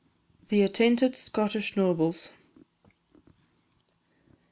THE ATTAINTED SCOTTISH NOBLES.